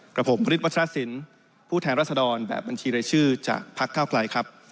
กับผมพศพูดแทนรัฐศดรแบบบัญชีรายชื่อจากภาคเก้าไกลครับ